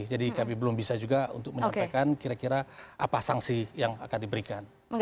jadi kami belum bisa juga untuk menyampaikan kira kira apa sangsi yang akan diberikan